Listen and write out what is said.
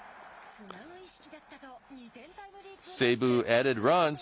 つなぐ意識だったと２点タイムリーツーベース。